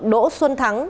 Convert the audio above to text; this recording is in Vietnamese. đỗ xuân thắng